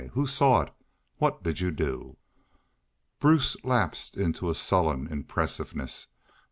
Who saw it? What did you do?" Bruce lapsed into a sullen impressiveness.